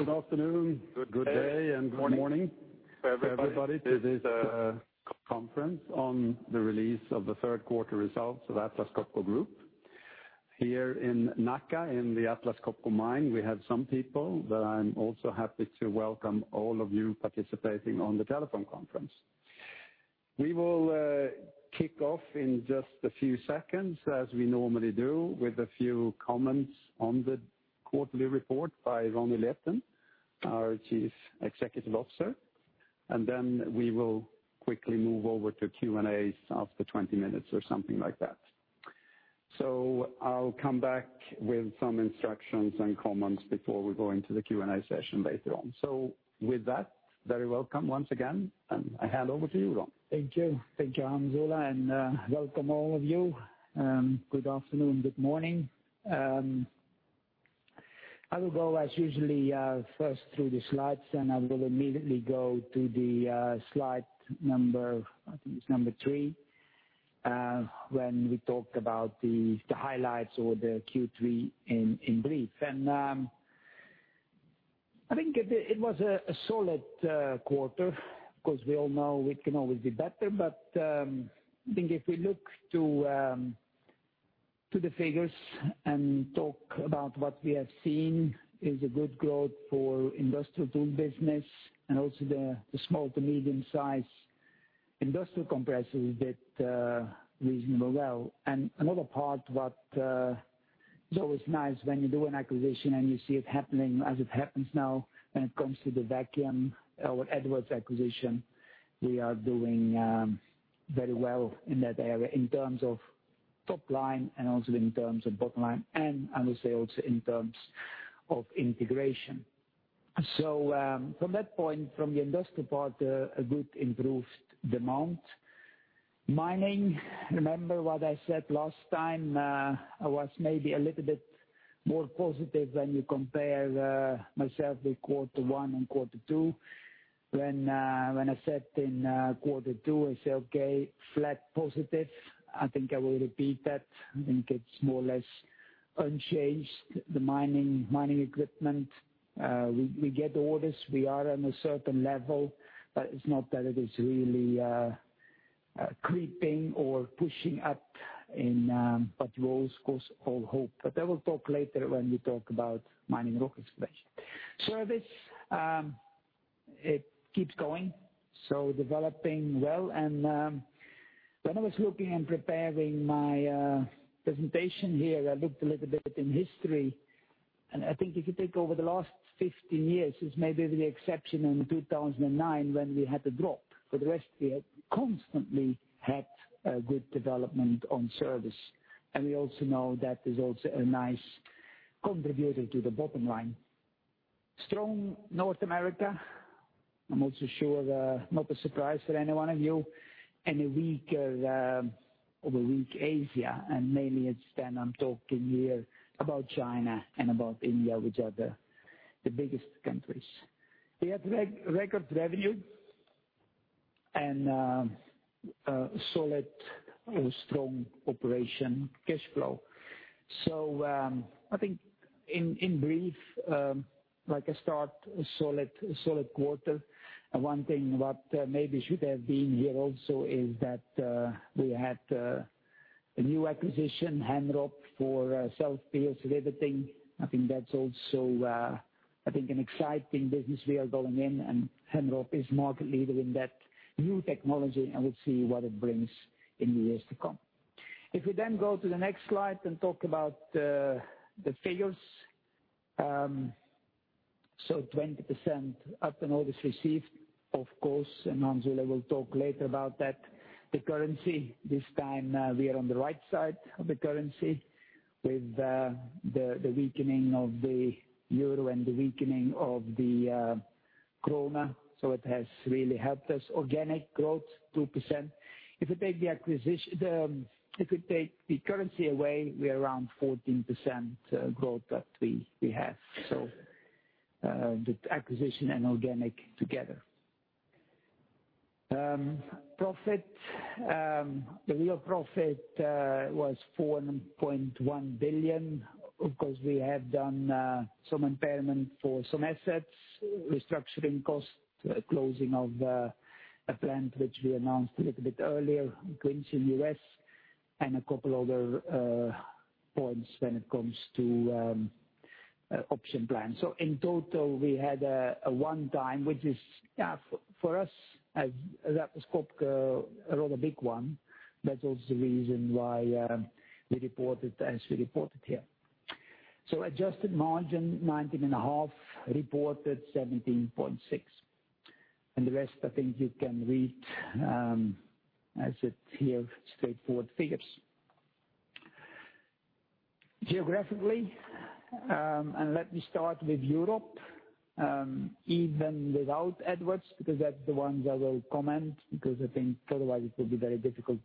Good afternoon, good day, and good morning, everybody, to this conference on the release of the third quarter results of Atlas Copco Group. Here in Nacka, in the Atlas Copco mine, we have some people, but I am also happy to welcome all of you participating on the telephone conference. We will kick off in just a few seconds, as we normally do, with a few comments on the quarterly report by Ronnie Leten, our Chief Executive Officer. We will quickly move over to Q&A after 20 minutes or something like that. I will come back with some instructions and comments before we go into the Q&A session later on. With that, very welcome once again, I hand over to you, Ron. Thank you. Thank you, Hans Ola, welcome all of you. Good afternoon, good morning. I will go as usually, first through the slides, I will immediately go to slide number 3, when we talk about the highlights or the Q3 in brief. I think it was a solid quarter. Of course, we all know it can always be better. I think if we look to the figures and talk about what we have seen, is a good growth for industrial tool business and also the small to medium-size industrial compressors did reasonable well. Another part that is always nice when you do an acquisition and you see it happening as it happens now, when it comes to the vacuum with Edwards acquisition, we are doing very well in that area in terms of top line and also in terms of bottom line and I will say also in terms of integration. From that point, from the industrial part, a good improved demand. Mining, remember what I said last time, I was maybe a little bit more positive when you compare myself with quarter 1 and quarter 2. When I said in quarter 2, I say, okay, flat positive. I think I will repeat that. I think it is more or less unchanged, the mining equipment. We get orders. We are on a certain level, but it is not that it is really creeping or pushing up but we always, of course, hold hope. I will talk later when we talk about mining rock excavation. Service, it keeps going, developing well, when I was looking and preparing my presentation here, I looked a little bit in history, I think if you take over the last 15 years, it is maybe the exception in 2009 when we had a drop, for the rest, we constantly had a good development on service. We also know that is also a nice contributor to the bottom line. Strong North America. I am also sure not a surprise for any one of you. A weak Asia, mainly it is then I am talking here about China and about India, which are the biggest countries. We had record revenue and solid or strong operation cash flow. I think in brief, like I start, a solid quarter. One thing what maybe should have been here also is that we had a new acquisition, Henrob, for self-pierce riveting. I think that's also an exciting business we are going in and Henrob is market leader in that new technology, and we'll see what it brings in the years to come. If we then go to the next slide and talk about the figures. 20% up on orders received, of course, and Hans Ola will talk later about that. The currency, this time, we are on the right side of the currency with the weakening of the EUR and the weakening of the krona, so it has really helped us. Organic growth, 2%. If we take the currency away, we are around 14% growth that we have. With acquisition and organic together. Profit. The real profit was 4.1 billion. Of course, we have done some impairment for some assets, restructuring cost, closing of a plant which we announced a little bit earlier, Quincy, U.S., and a couple other points when it comes to option plan. In total, we had a one-time, which is for us, as Atlas Copco, a rather big one. That's also the reason why we report it as we report it here. Adjusted margin 19.5%, reported 17.6%. The rest, I think you can read as it's here, straightforward figures. Geographically, let me start with Europe, even without Edwards, because that's the ones I will comment, because I think otherwise it will be very difficult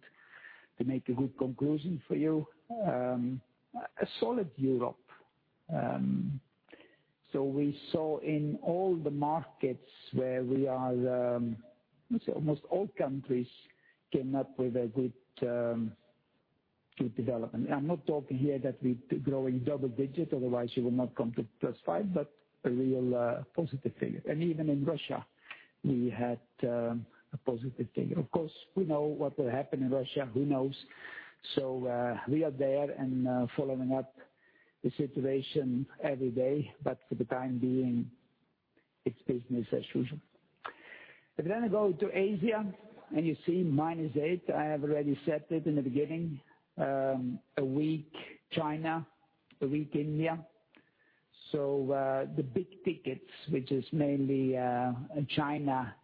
to make a good conclusion for you. A solid Europe. We saw in all the markets where we are, let's say almost all countries came up with a good development. I'm not talking here that we're growing double digits, otherwise you will not come to +5%, but a real positive figure. Even in Russia, we had a positive figure. Of course, we know what will happen in Russia. Who knows? We are there and following up the situation every day. For the time being, it's business as usual. If I then go to Asia, and you see -8%, I have already said it in the beginning, a weak China, a weak India. The big tickets, which is mainly a China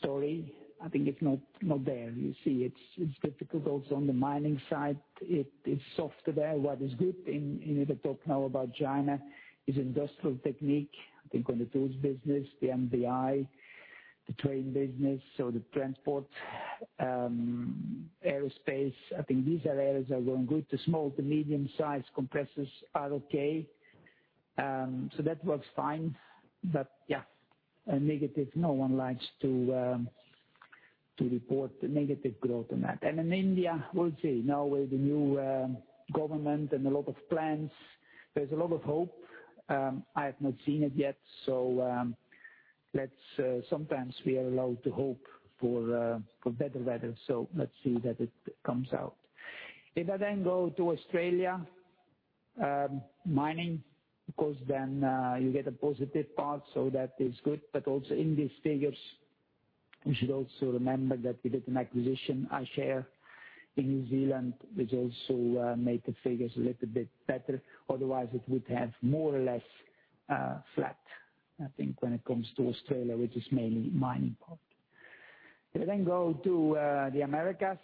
story, I think it's not there. You see it's difficult also on the mining side. It is softer there. What is good if I talk now about China, is Industrial Technique. I think on the tools business, the MDI, the train business, the transport, aerospace, I think these are areas that are going good. The small to medium size compressors are okay. That works fine. But yeah, a negative, no one likes to report a negative growth on that. In India, we'll see. Now with the new government and a lot of plans, there's a lot of hope. I have not seen it yet. Sometimes we are allowed to hope for better weather. Let's see that it comes out. If I then go to Australia, mining, of course, then you get a positive part, so that is good. Also in these figures, we should also remember that we did an acquisition, Ash Air, in New Zealand, which also made the figures a little bit better. Otherwise, it would have more or less flat, I think, when it comes to Australia, which is mainly mining part. I go to the Americas,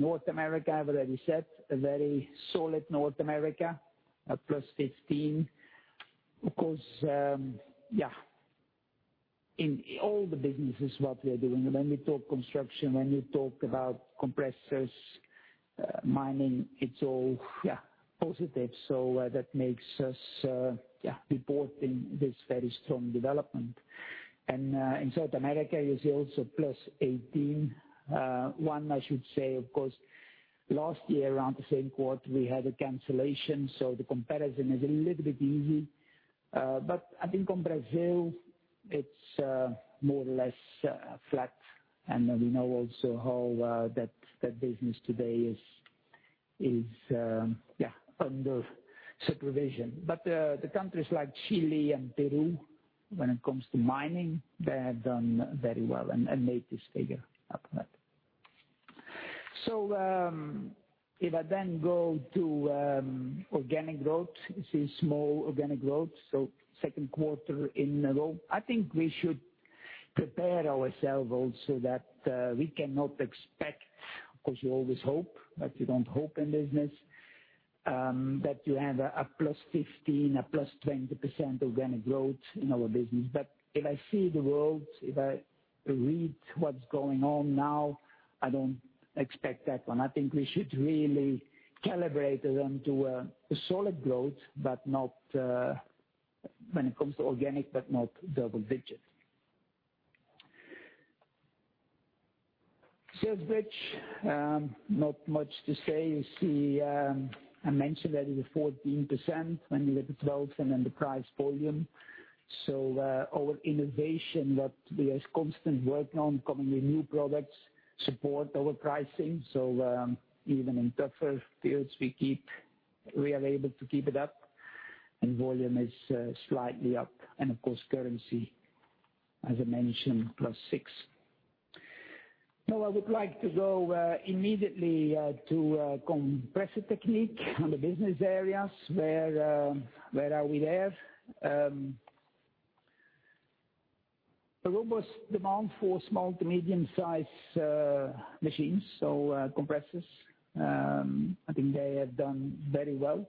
North America, I've already said, a very solid North America, a +15%. Of course, in all the businesses what we are doing, when we talk construction, when we talk about compressors, mining, it's all positive. That makes us report in this very strong development. In South America, you see also +18%. I should say, of course, last year around the same quarter, we had a cancellation, the comparison is a little bit easy. I think on Brazil, it's more or less flat. We know also how that business today is under supervision. The countries like Chile and Peru, when it comes to mining, they have done very well and made this figure up. I go to organic growth, you see small organic growth. Second quarter in a row. I think we should prepare ourselves also that we cannot expect, of course you always hope, but you don't hope in business, that you have a +15%, a +20% organic growth in our business. If I see the world, if I read what's going on now, I don't expect that one. I think we should really calibrate them to a solid growth, not when it comes to organic, not double digits. Sales bridge, not much to say. You see I mentioned that it was 14% when you look at growth the price volume. Our innovation that we are constantly working on, coming with new products, support our pricing. Even in tougher periods, we are able to keep it up, volume is slightly up. Of course, currency, as I mentioned, +6%. I would like to go immediately to Compressor Technique on the business areas, where are we there? A robust demand for small to medium-sized machines, compressors, I think they have done very well.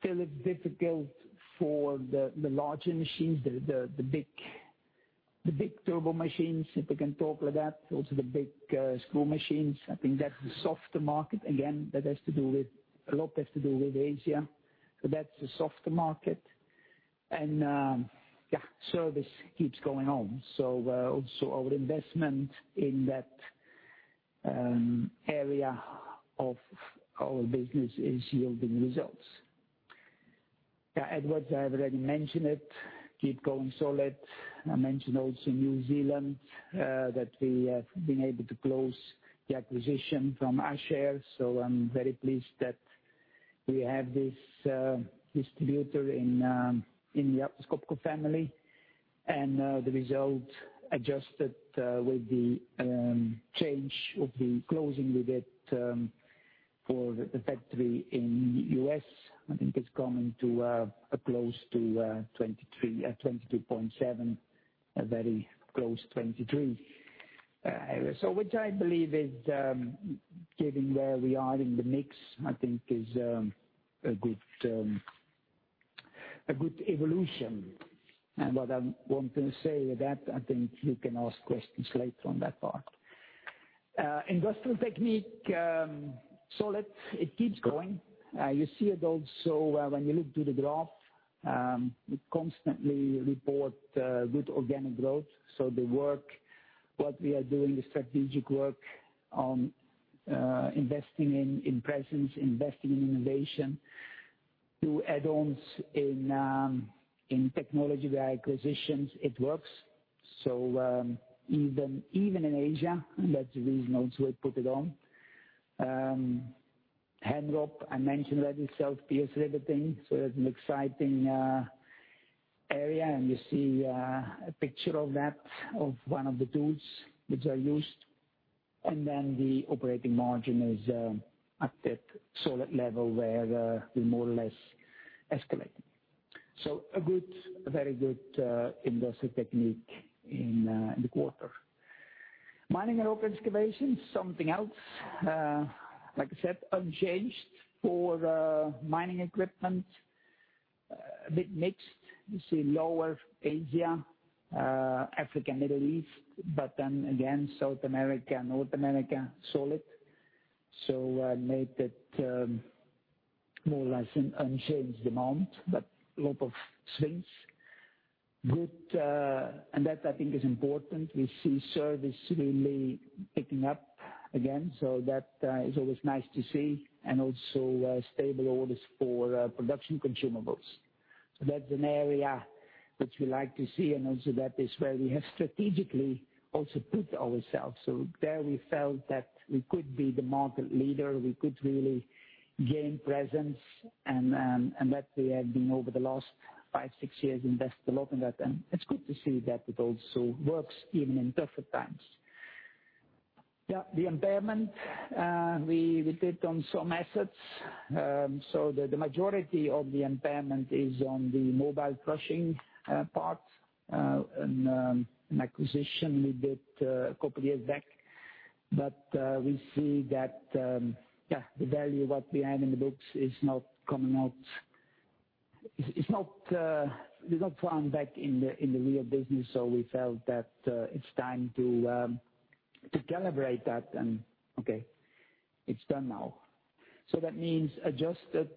Still is difficult for the larger machines, the big turbo machines, if we can talk like that, also the big screw machines. I think that's the softer market. Again, a lot has to do with Asia. That's the softer market. Service keeps going on. Also our investment in that area of our business is yielding results. Edwards, I have already mentioned it, keep going solid. I mentioned also New Zealand, that we have been able to close the acquisition from Ash Air. I'm very pleased that we have this distributor in the Atlas Copco family. The result adjusted with the change of the closing with it for the factory in U.S., I think it's coming to close to 23, 22.7, a very close 23. Which I believe is, given where we are in the mix, I think is a good evolution. What I'm wanting to say with that, I think you can ask questions later on that part. Industrial Technique, solid. It keeps growing. You see it also when you look to the graph. We constantly report good organic growth. The work we are doing, the strategic work on investing in presence, investing in innovation, to add-ons in technology via acquisitions, it works. Even in Asia, that's the reason also we put it on. Henrob, I mentioned already, self-pierce riveting. That's an exciting area, and you see a picture of that, of one of the tools which are used. Then the operating margin is at that solid level where we more or less escalate. A very good Industrial Technique in the quarter. Mining and Rock Excavation Technique, something else, like I said, unchanged for the mining equipment. A bit mixed. You see lower Asia, Africa, Middle East, but then again, South America, North America, solid. Made it more or less an unchanged demand, but lot of swings. That I think is important, we see service really picking up again. That is always nice to see, and also stable orders for production consumables. That's an area which we like to see, and also that is where we have strategically also put ourselves. There we felt that we could be the market leader, we could really gain presence, and that we have been over the last five, six years invest developing that, and it's good to see that it also works even in tougher times. Yeah. The impairment we did on some assets. The majority of the impairment is on the mobile crushing part, an acquisition we did a couple of years back. But we see that the value what we have in the books is not found back in the real business, we felt that it's time to calibrate that, it's done now. That means adjusted,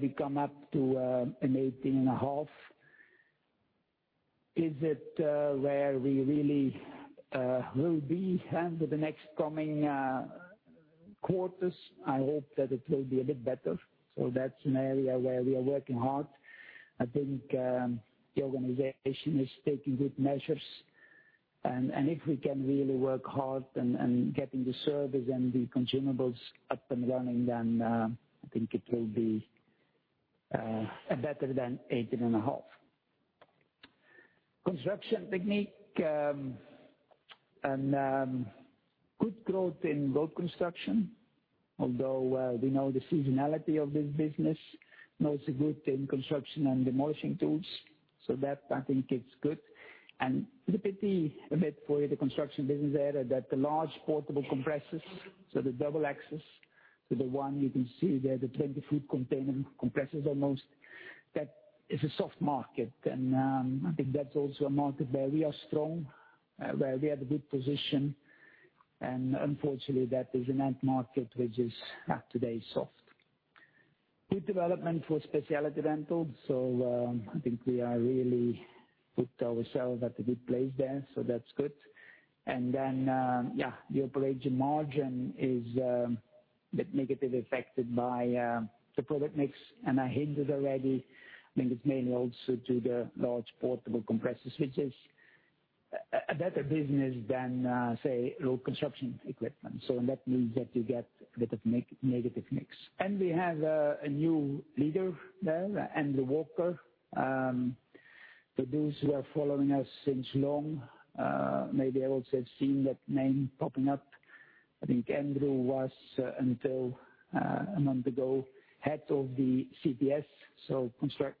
we come up to an 18.5%. Is it where we really will be under the next coming quarters? I hope that it will be a bit better. That's an area where we are working hard. I think the organization is taking good measures, and if we can really work hard and getting the service and the consumables up and running, then I think it will be better than 18.5%. Construction Technique, good growth in road construction, although we know the seasonality of this business. Also good in construction and demolition tools. That I think it's good. And a pity a bit for the construction business there, that the large portable compressors, so the dual-axle, so the one you can see there, the 20-foot container compressors, almost. That is a soft market. I think that's also a market where we are strong, where we had a good position. Unfortunately, that is an end market which is at today soft. Good development for Specialty Rental, I think we have really put ourselves at a good place there, so that's good. The operating margin is a bit negative affected by the product mix, and I hinted already, I think it's mainly also to the large portable compressors, which is a better business than, say, road construction equipment. That means that you get a bit of negative mix. And we have a new leader there, Andrew Walker. For those who are following us since long, maybe also have seen that name popping up. I think Andrew was, until a month ago, head of the CTS, so Compressor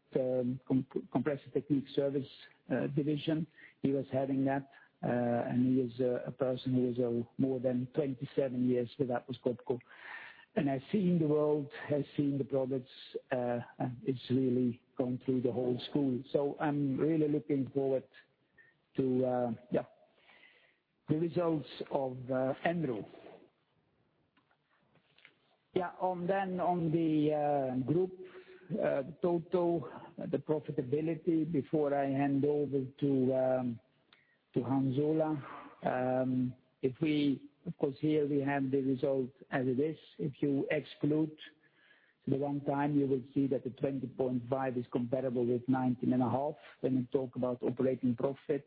Technique Service division. He was heading that. And he is a person who is more than 27 years with Atlas Copco. And has seen the world, has seen the products, and it's really gone through the whole school. I'm really looking forward to the results of Andrew. On the group total, the profitability, before I hand over to Hans Ola. Of course, here we have the result as it is. If you exclude the one time, you will see that the 20.5% is comparable with 19.5% when we talk about operating profit.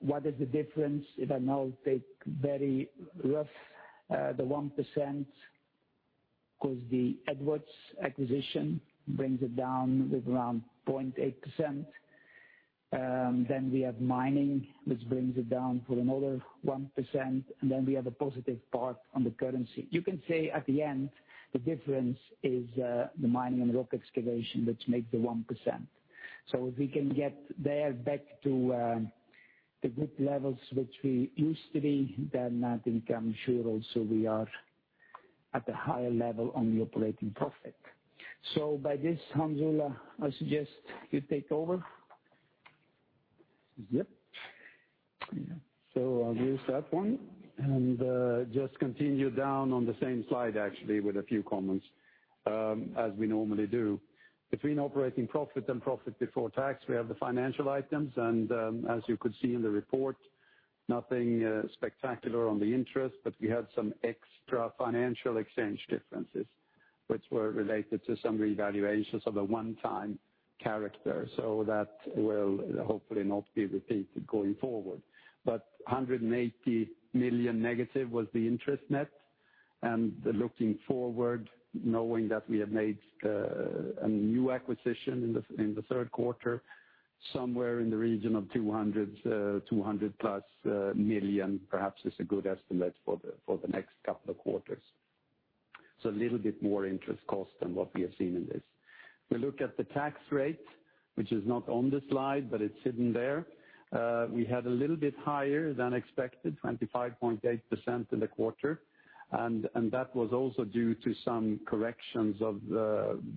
What is the difference? If I now take very rough, the 1%, because the Edwards acquisition brings it down with around 0.8%. We have mining, which brings it down for another 1%, and we have a positive part on the currency. You can say at the end, the difference is the mining and rock excavation, which make the 1%. If we can get there back to the group levels which we used to be, I think I'm sure also we are at a higher level on the operating profit. By this, Hans Ola, I suggest you take over. I'll use that one, and just continue down on the same slide, actually, with a few comments, as we normally do. Between operating profit and profit before tax, we have the financial items, and as you could see in the report nothing spectacular on the interest, but we had some extra financial exchange differences, which were related to some revaluations of a one-time character. That will hopefully not be repeated going forward. 180 million negative was the interest net, and looking forward, knowing that we have made a new acquisition in the third quarter, somewhere in the region of 200 plus million, perhaps, is a good estimate for the next couple of quarters. A little bit more interest cost than what we have seen in this. We look at the tax rate, which is not on the slide, but it's hidden there. We had a little bit higher than expected, 25.8% in the quarter. That was also due to some corrections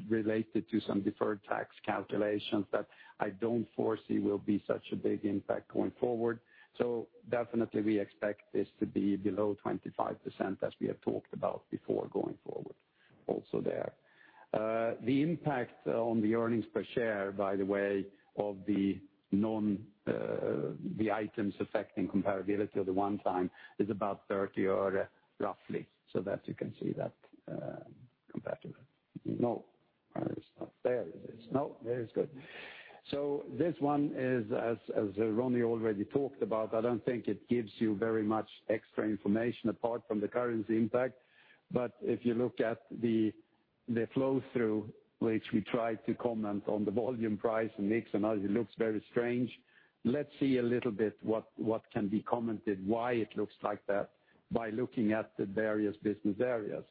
related to some deferred tax calculations that I don't foresee will be such a big impact going forward. Definitely, we expect this to be below 25% as we have talked about before going forward, also there. The impact on the earnings per share, by the way, of the items affecting comparability of the one time is about 0.30 roughly. That you can see that comparative. No, it's not there, is it? No, there is good. This one is, as Ronnie already talked about, I don't think it gives you very much extra information apart from the currency impact. If you look at the flow through, which we try to comment on the volume, price, and mix, and as it looks very strange, let's see a little bit what can be commented, why it looks like that by looking at the various business areas.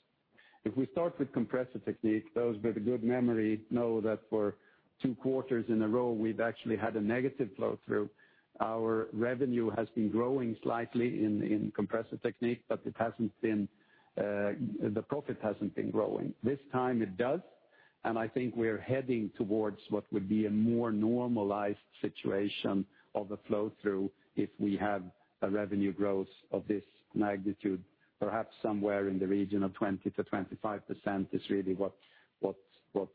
If we start with Compressor Technique, those with a good memory know that for two quarters in a row, we've actually had a negative flow through. Our revenue has been growing slightly in Compressor Technique, but the profit hasn't been growing. This time it does, and I think we're heading towards what would be a more normalized situation of a flow-through if we have a revenue growth of this magnitude, perhaps somewhere in the region of 20%-25% is really what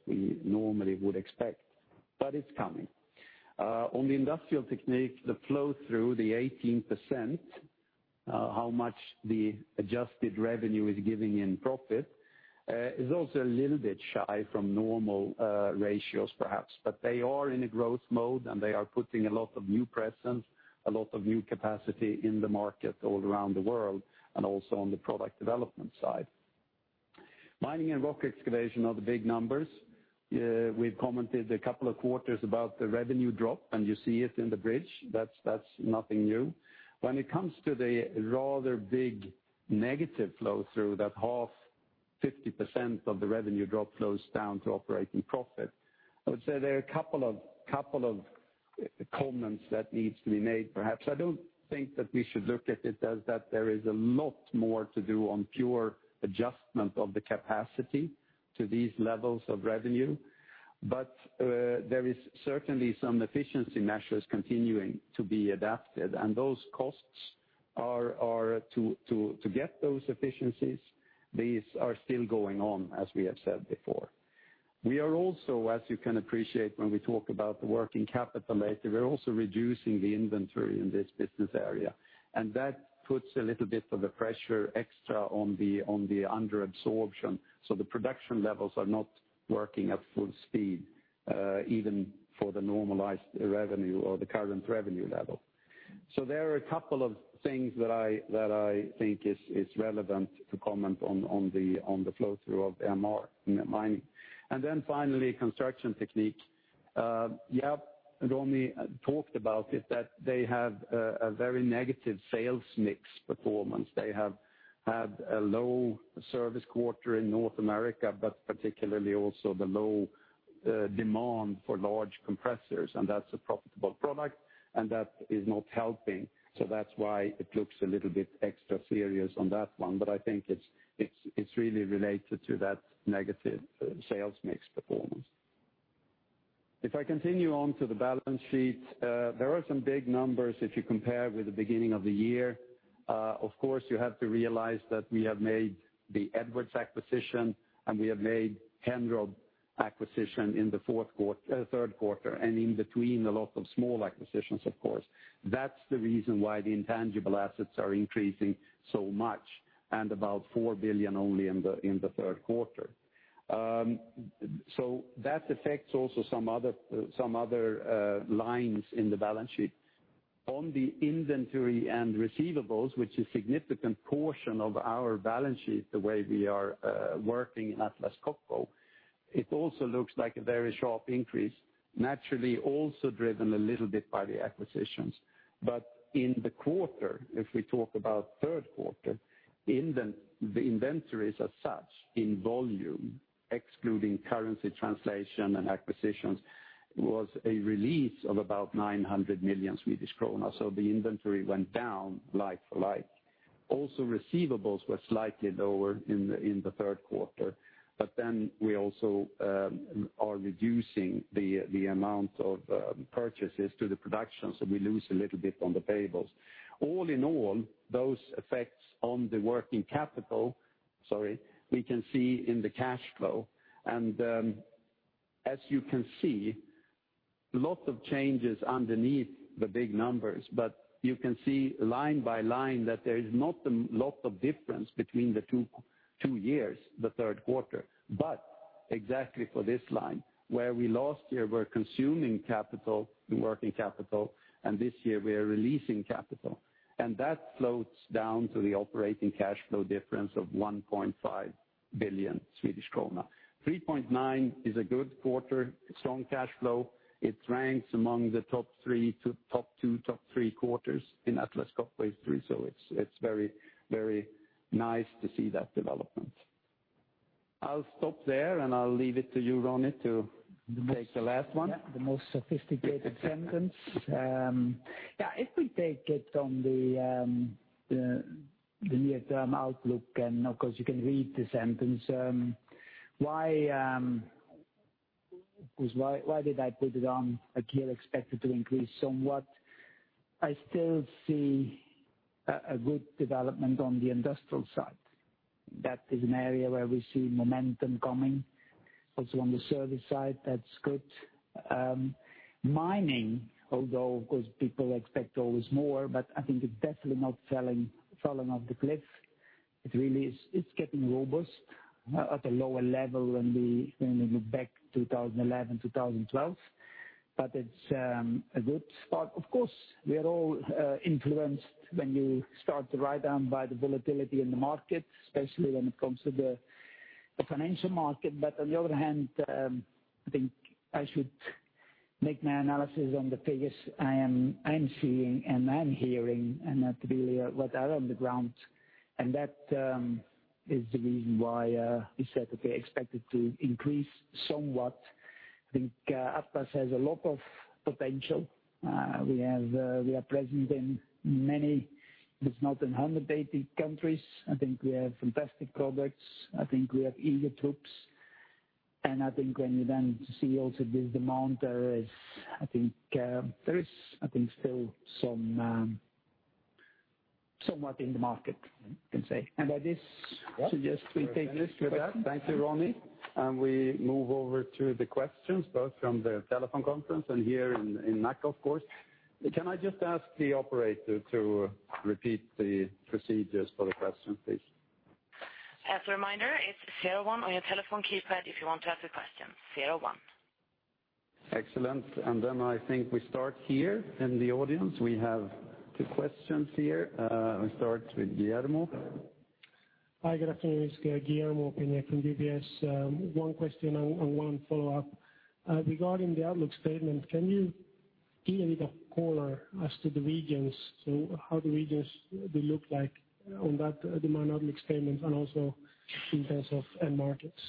we normally would expect. It's coming. On the Industrial Technique, the flow through, the 18%, how much the adjusted revenue is giving in profit, is also a little bit shy from normal ratios, perhaps. They are in a growth mode, and they are putting a lot of new presence, a lot of new capacity in the market all around the world, and also on the product development side. Mining and Rock Excavation are the big numbers. We've commented a couple of quarters about the revenue drop, and you see it in the bridge. That's nothing new. When it comes to the rather big negative flow through, that half 50% of the revenue drop flows down to operating profit, I would say there are a couple of comments that needs to be made, perhaps. I don't think that we should look at it as that there is a lot more to do on pure adjustment of the capacity to these levels of revenue. There is certainly some efficiency measures continuing to be adapted, and those costs are to get those efficiencies, these are still going on, as we have said before. We are also, as you can appreciate when we talk about the working capital later, we're also reducing the inventory in this business area, and that puts a little bit of a pressure extra on the under absorption. The production levels are not working at full speed, even for the normalized revenue or the current revenue level. There are a couple of things that I think is relevant to comment on the flow through of MR in mining. Finally, Construction Technique. Jaap and Ronnie talked about it, that they have a very negative sales mix performance. They have had a low service quarter in North America, but particularly also the low demand for large compressors, and that's a profitable product, and that is not helping. That's why it looks a little bit extra serious on that one, but I think it's really related to that negative sales mix performance. If I continue on to the balance sheet, there are some big numbers if you compare with the beginning of the year. Of course, you have to realize that we have made the Edwards acquisition, and we have made Henrob acquisition in the third quarter, and in between, a lot of small acquisitions, of course. That's the reason why the intangible assets are increasing so much, and about 4 billion only in the third quarter. That affects also some other lines in the balance sheet. On the inventory and receivables, which is significant portion of our balance sheet, the way we are working in Atlas Copco, it also looks like a very sharp increase, naturally also driven a little bit by the acquisitions. In the quarter, if we talk about third quarter, the inventories as such, in volume, excluding currency translation and acquisitions, was a release of about 900 million Swedish kronor. The inventory went down like for like. Also, receivables were slightly lower in the third quarter. We also are reducing the amount of purchases to the production, so we lose a little bit on the payables. All in all, those effects on the working capital, sorry, we can see in the cash flow. As you can see, lots of changes underneath the big numbers, but you can see line by line that there is not a lot of difference between the two years, the third quarter. Exactly for this line where we last year were consuming capital, the working capital, and this year we are releasing capital, and that floats down to the operating cash flow difference of 1.5 billion Swedish krona. 3.9 billion is a good quarter, strong cash flow. It ranks among the top two, top three quarters in Atlas Copco History. It's very nice to see that development. I'll stop there, and I'll leave it to you, Ronnie, to take the last one. The most sophisticated sentence. If we take it on the near-term outlook, of course you can read the sentence. Why did I put it on, again, expected to increase somewhat? I still see a good development on the industrial side. That is an area where we see momentum coming. Also on the service side, that's good. Mining, although, of course, people expect always more, but I think it's definitely not falling off the cliff. It really is. It's getting robust at a lower level when we look back 2011, 2012, but it's a good start. Of course, we are all influenced when you start to write down by the volatility in the market, especially when it comes to the financial market. On the other hand, I think I should make my analysis on the figures I'm seeing and I'm hearing, and not really what are on the ground. That is the reason why we said that we expected to increase somewhat. I think Atlas has a lot of potential. We are present in many, if it's not in 180 countries, I think we have fantastic products. I think we have eager troops, and I think when you then see also this demand, there is still somewhat in the market, you can say. By this suggest we take this with that. Thank you, Ronnie. We move over to the questions, both from the telephone conference and here in Nacka, of course. Can I just ask the operator to repeat the procedures for the question, please? As a reminder, it is zero one on your telephone keypad if you want to ask a question. Zero one. Excellent. Then I think we start here in the audience. We have two questions here. I start with Guillermo. Hi, good afternoon. It is Guillermo Peigneux from UBS. One question and one follow-up. Regarding the outlook statement, can you give a bit of color as to the regions? How the regions they look like on that demand outlook statement, and also in terms of end markets,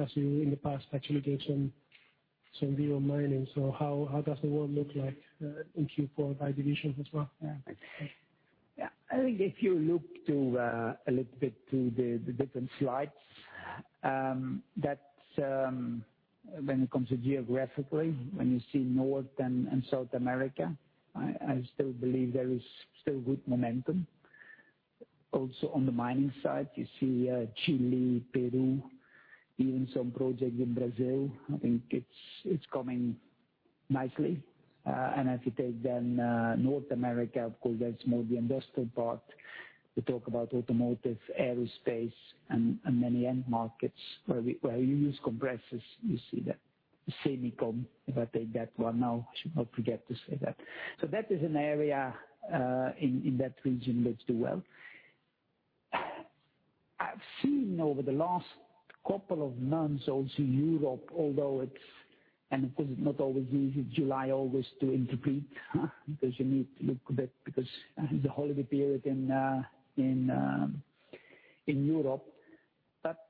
as you in the past actually gave some view on mining. How does the world look like in Q4 by divisions as well? I think if you look a little bit to the different slides, that when it comes to geographically, when you see North and South America, I still believe there is still good momentum. Also on the mining side, you see Chile, Peru, even some projects in Brazil. I think it's coming nicely. If you take North America, of course, that's more the industrial part. We talk about automotive, aerospace, and many end markets where you use compressors. You see that. semicon, if I take that one now, I should not forget to say that. That is an area in that region which do well. I've seen over the last couple of months also Europe, and of course it's not always easy, July always to interpret because you need to look a bit because it's a holiday period in Europe.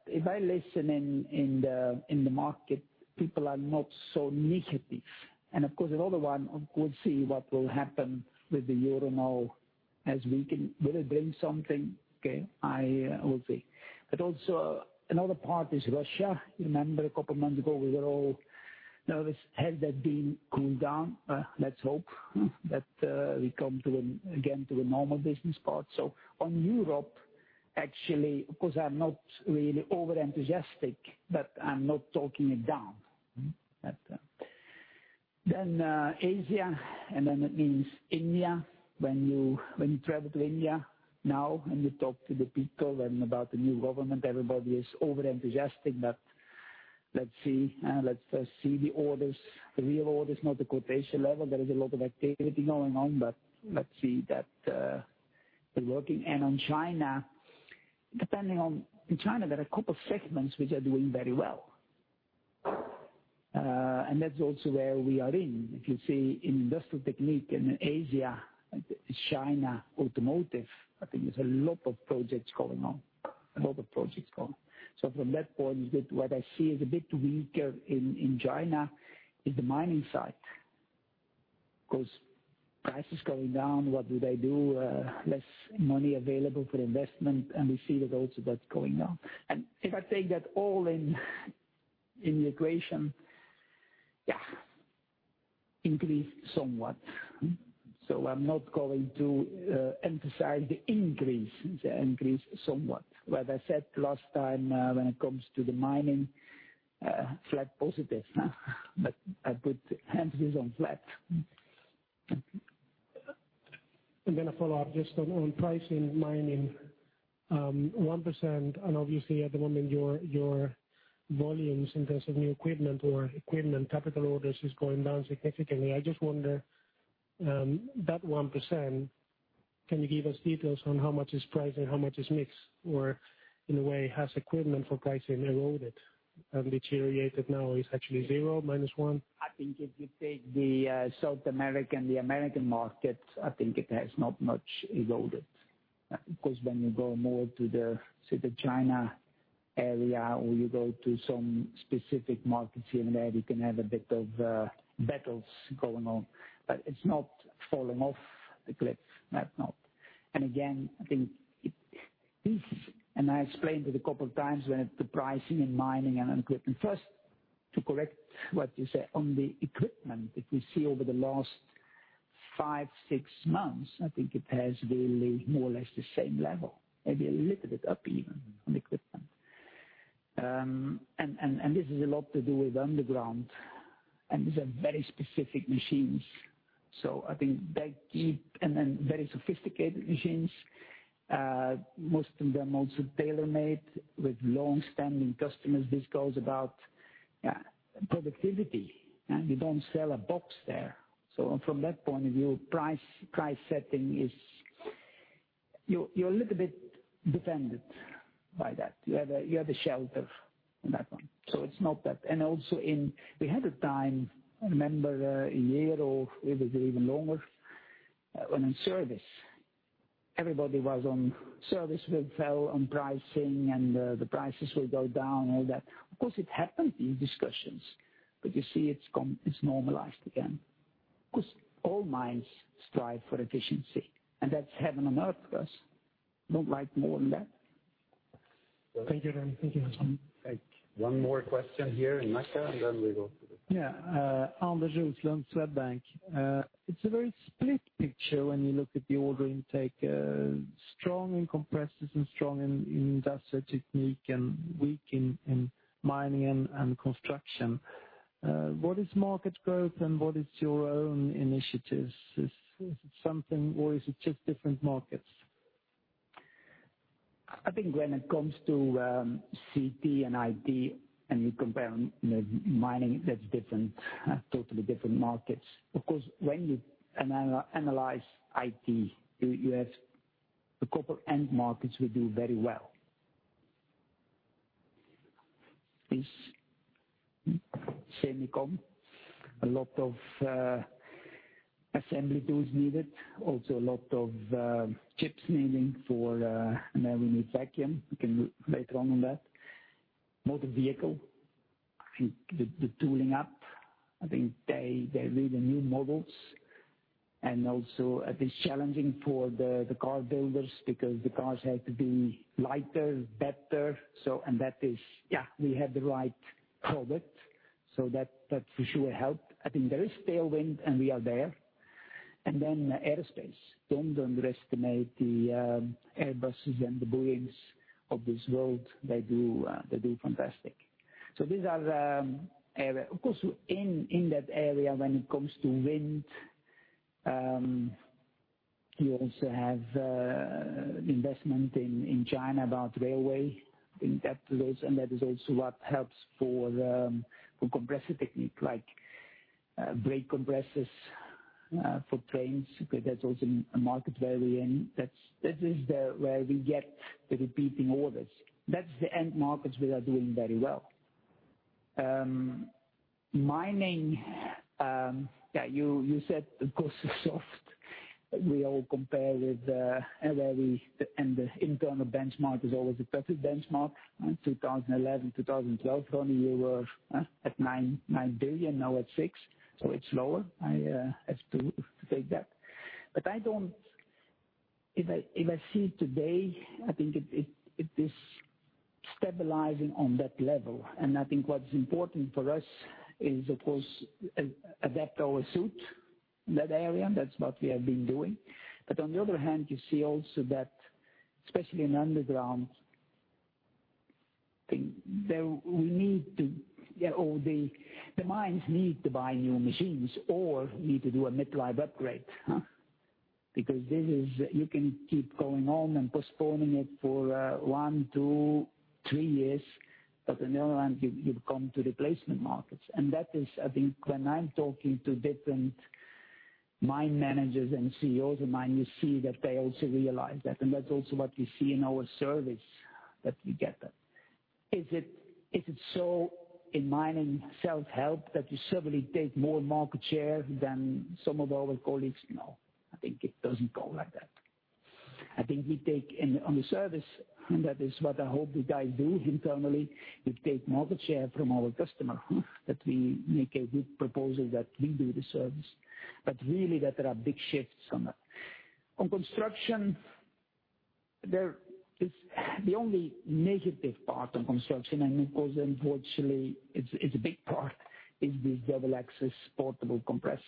If I listen in the market, people are not so negative. Of course, another one, of course, see what will happen with the EUR now. Will it bring something? Okay, I will see. Also, another part is Russia. Remember a couple of months ago, we were all nervous. Has that been cooled down? Let's hope that we come again to a normal business part. On Europe, actually, of course, I'm not really over-enthusiastic, but I'm not talking it down. Asia, that means India. When you travel to India now and you talk to the people and about the new government, everybody is over-enthusiastic, but let's see. Let's first see the orders, the real orders, not the quotation level. There is a lot of activity going on, but let's see that we're working. On China, In China, there are a couple of segments which are doing very well. That's also where we are in. If you see Industrial Technique and Asia, China, automotive, I think there's a lot of projects going on. A lot of projects going. From that point of view, what I see is a bit weaker in China is the mining side. Because prices going down, what do they do? Less money available for investment, and we see that also that's going down. If I take that all in the equation, Increased somewhat. I'm not going to emphasize the increase. It increased somewhat. What I said last time when it comes to the mining, flat positive. I put emphasis on flat. I'm going to follow up just on pricing, mining, 1% and obviously at the moment your volumes in terms of new equipment or equipment CapEx orders is going down significantly. I just wonder, that 1%, can you give us details on how much is price and how much is mix? Or in a way, has equipment for pricing eroded and deteriorated now is actually zero, minus 1? I think if you take the South American, the American market, I think it has not much eroded. When you go more to the China area, or you go to some specific markets here and there, you can have a bit of battles going on. It's not fallen off the cliff. That not. Again, I think it is, and I explained it a couple of times, when the pricing and mining and on equipment. First, to correct what you say on the equipment that we see over the last five, six months, I think it has really more or less the same level, maybe a little bit up even on equipment. This is a lot to do with underground, and these are very specific machines. I think they keep and then very sophisticated machines. Most of them also tailor-made with long-standing customers. This goes about productivity, and we don't sell a box there. From that point of view, price setting is, you're a little bit defended by that. You have a shelter on that one. It's not that. Also we had a time, I remember a year or it was even longer, when in service, everybody was on service will fell on pricing and the prices will go down all that. Of course, it happened, these discussions. You see it's normalized again. All mines strive for efficiency. That's heaven on earth for us. Don't like more than that. Thank you, Ronnie. Thank you. One more question here in Nacka. Yeah. Anders Jörsling, Swedbank. It's a very split picture when you look at the order intake. Strong in Compressor Technique and strong in Industrial Technique and weak in Mining and Construction. What is market growth and what is your own initiatives? Is it something or is it just different markets? I think when it comes to CP and IP, you compare on Mining, that's different, totally different markets. Of course, when you analyze IP, you have a couple end markets will do very well. Is semicon, a lot of assembly tools needed, also a lot of chips and then we need vacuum. We can later on that. Motor vehicle, I think the tooling up, they read the new models and also a bit challenging for the car builders because the cars have to be lighter, better. That is, yeah, we have the right product. That for sure helped. I think there is tailwind and we are there. Then aerospace. Don't underestimate the Airbuses and the Boeings of this world. They do fantastic. These are the area. Of course, in that area when it comes to wind, you also have investment in China about railway. I think that is also what helps for Compressor Technique like brake compressors for trains. That's also a market where we're in. This is where we get the repeating orders. That's the end markets we are doing very well. Mining, yeah, you said of course it's soft. We all compare with and the internal benchmark is always a perfect benchmark, right? 2011, 2012, when we were at 9 billion, now at 6 billion. It's lower. I have to take that. I don't If I see today, I think it is stabilizing on that level. I think what's important for us is, of course, adapt our suit in that area. That's what we have been doing. On the other hand, you see also that especially in underground, all the mines need to buy new machines or need to do a midlife upgrade. Because this is, you can keep going on and postponing it for one, two, three years, but on the other hand, you've come to replacement markets. That is, I think, when I'm talking to different mine managers and CEOs of mine, you see that they also realize that, and that's also what we see in our service that we get that. Is it so in Mining self-help that you suddenly take more market share than some of our colleagues? No. I think it doesn't go like that. I think we take on the service, and that is what I hope the guys do internally, we take market share from our customer. We make a good proposal that we do the service. Really, that there are big shifts on that. On Construction Technique. The only negative part of Construction Technique, and of course, unfortunately, it's a big part, is the dual-axle portable compressors.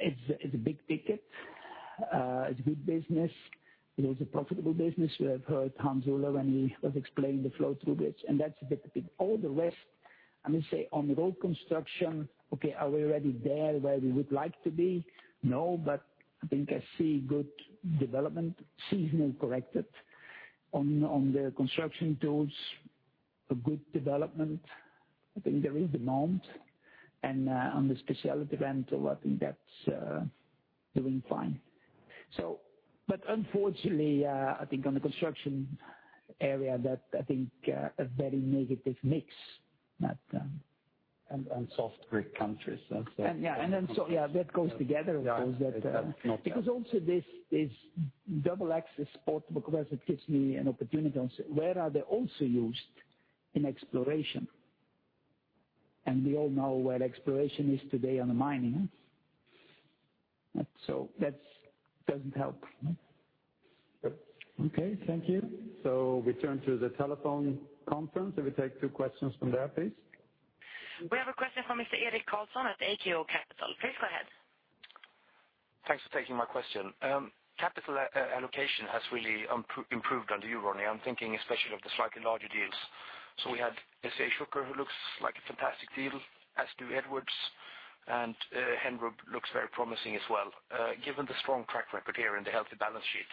It's a big ticket. It's a good business. It is a profitable business. You have heard Hans Ola when he was explaining the flow through this, and that's a bit of it. All the rest, I must say, on road construction, okay, are we already there where we would like to be? No, I think I see good development, seasonal corrected, on the construction tools, a good development. I think there is demand and on the Specialty Rental, I think that's doing fine. Unfortunately, I think on the construction area, that I think a very negative mix. Soft Greek countries, I'll say. That goes together, of course. Yeah. Also this dual-axle portable compressor gives me an opportunity to say, where are they also used? In exploration. We all know where exploration is today on the mining. That doesn't help. Yep. Okay, thank you. We turn to the telephone conference. If we take two questions from there, please. We have a question from Mr. Erik Karlsson at AKO Capital. Please go ahead. Thanks for taking my question. Capital allocation has really improved under you, Ronnie. I'm thinking especially of the slightly larger deals. We had SCA Schucker, who looks like a fantastic deal, as do Edwards, and Henrob looks very promising as well. Given the strong track record here and the healthy balance sheet,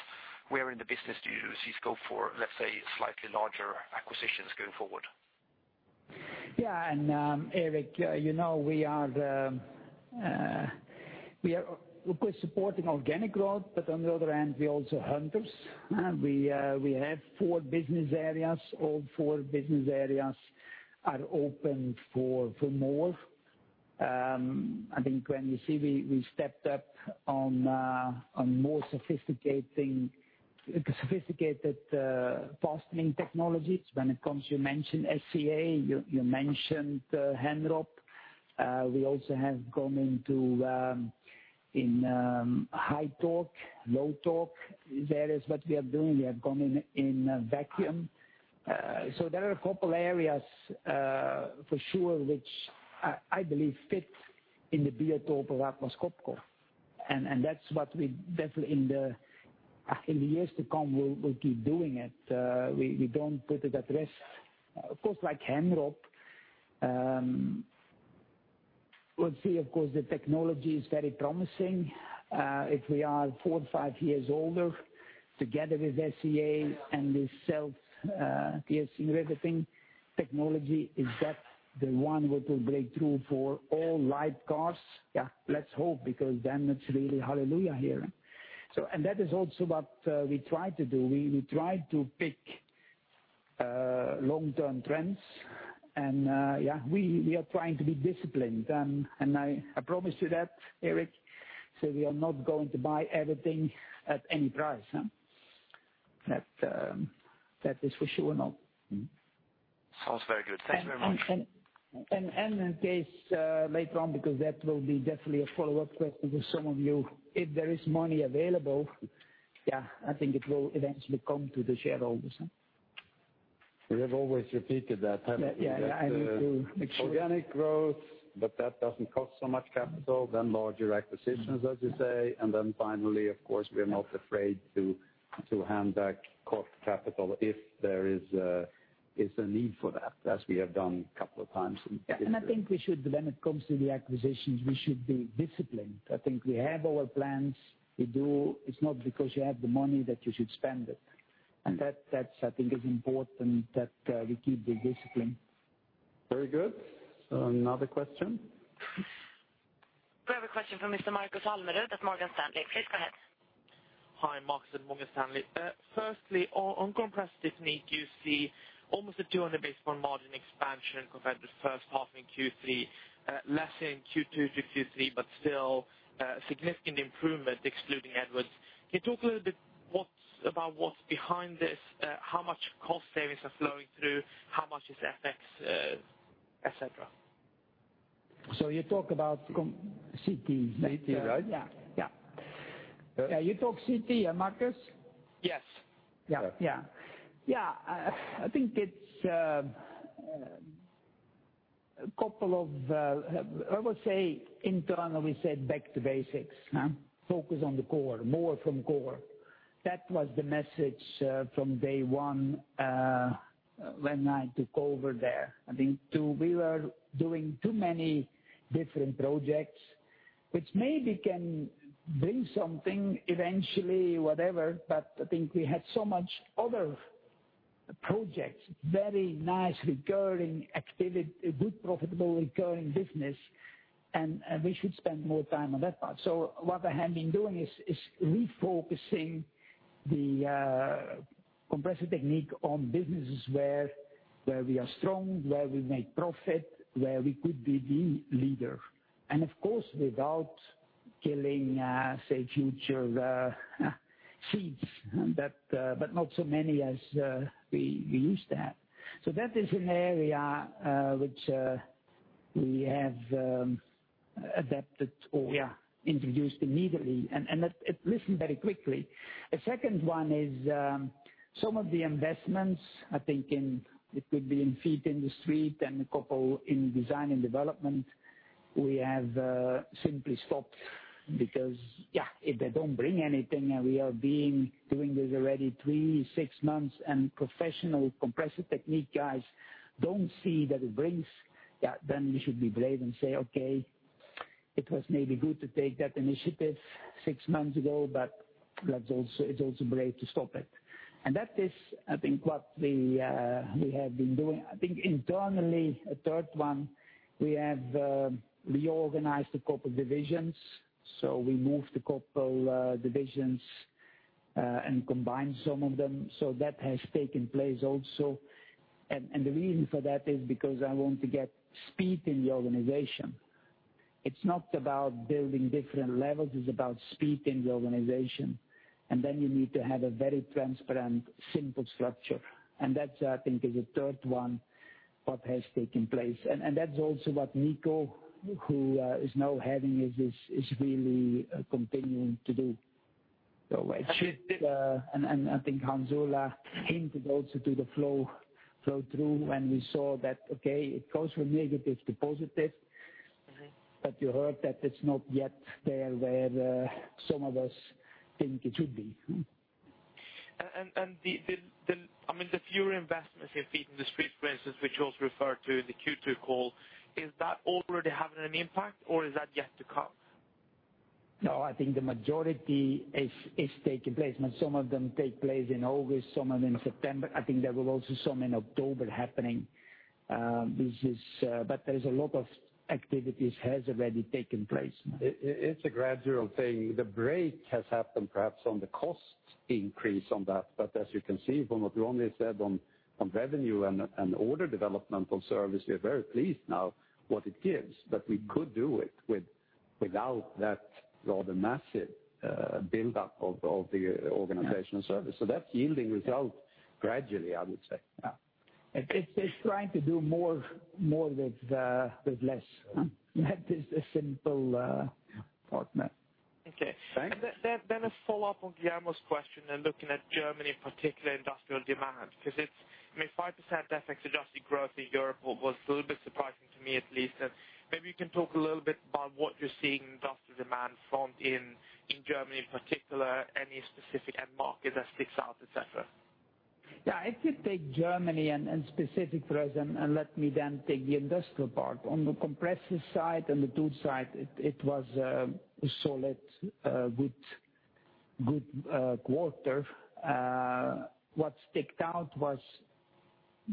where in the business do you see scope for, let's say, slightly larger acquisitions going forward? Yeah. Eric, you know we are of course supporting organic growth, on the other hand, we're also hunters. We have four business areas. All four business areas are open for more. I think when you see we stepped up on more sophisticated fastening technologies. When it comes, you mentioned SCA, you mentioned Henrob. We also have gone into in high torque, low torque areas, we have gone in vacuum. There are a couple areas for sure which I believe fit in the biotope of Atlas Copco. That's what we definitely in the years to come, we'll keep doing it. We don't put it at rest. Of course, like Henrob, we'll see, of course, the technology is very promising. If we are four or five years older, together with SCA and the self-pierce riveting technology, is that the one which will break through for all light cars? Yeah, let's hope, because then it's really hallelujah here. That is also what we try to do. We try to pick long-term trends, and yeah, we are trying to be disciplined. I promise you that, Eric, we are not going to buy everything at any price. That is for sure not. Sounds very good. Thanks very much. In case later on, because that will be definitely a follow-up question with some of you, if there is money available, yeah, I think it will eventually come to the shareholders. We have always repeated that, haven't we? Yeah. I need to make sure. Organic growth, that doesn't cost so much capital, larger acquisitions, as you say. Finally, of course, we're not afraid to hand back core capital if there is a need for that, as we have done a couple of times in the past year. I think we should, when it comes to the acquisitions, we should be disciplined. I think we have our plans. It's not because you have the money that you should spend it. That, I think, is important that we keep the discipline. Very good. Another question. We have a question from Mr. Markus Almerud at Morgan Stanley. Please go ahead. Hi, Markus at Morgan Stanley. On Compressor Technique, you see almost a 200 basis point margin expansion compared with first half in Q3, less in Q2 to Q3, but still a significant improvement excluding Edwards. Can you talk a little bit about what's behind this, how much cost savings are flowing through, how much is FX, et cetera? You talk about CT? CT, right? Yeah. You talk CT, Markus? Yes. Yeah. I would say internally, we said back to basics. Focus on the core, more from core. That was the message from day 1 when I took over there. I think we were doing too many different projects, which maybe can bring something eventually, whatever, but I think we had so much other projects, very nice recurring activity, good profitable recurring business, and we should spend more time on that part. What I have been doing is refocusing the Compressor Technique on businesses where we are strong, where we make profit, where we could be the leader. Of course, without killing, say, future seeds. Not so many as we used to have. That is an area which we have adapted or introduced immediately, and it listened very quickly. A second one is some of the investments, I think it could be in fleet industry and a couple in design and development, we have simply stopped because if they don't bring anything and we have been doing this already 3, 6 months, and professional Compressor Technique guys don't see that it brings, then we should be brave and say, okay, it was maybe good to take that initiative 6 months ago, but it's also brave to stop it. That is, I think, what we have been doing. I think internally, a third one, we have reorganized a couple divisions. We moved a couple divisions and combined some of them. That has taken place also. The reason for that is because I want to get speed in the organization. It's not about building different levels, it's about speed in the organization. Then you need to have a very transparent, simple structure. That, I think, is a third one, what has taken place. That's also what Nico, who is now heading it, is really continuing to do. It should, and I think Hans Ola hinted also to the flow through when we saw that, okay, it goes from negative to positive. You heard that it's not yet there where some of us think it should be. The fewer investments in fleet industry, for instance, which you also referred to in the Q2 call, is that already having an impact, or is that yet to come? No, I think the majority is taking place. Some of them take place in August, some are in September. I think there will also some in October happening. There's a lot of activities has already taken place. It's a gradual thing. The break has happened, perhaps, on the cost increase on that. As you can see from what Ronnie said on revenue and order development on service, we are very pleased now what it gives. We could do it without that rather massive buildup of the organizational service. That's yielding results gradually, I would say. Yeah. It's trying to do more with less. That is the simple part. Okay. Thanks. A follow-up on Guillermo's question and looking at Germany, in particular, industrial demand, because it's 5% FX-adjusted growth in Europe was a little bit surprising to me, at least. Maybe you can talk a little bit about what you're seeing in industrial demand from in Germany in particular, any specific end market that sticks out, et cetera. Yeah, if you take Germany in specific for us, let me then take the industrial part. On the compressor side and the tool side, it was a solid, good quarter. What sticked out was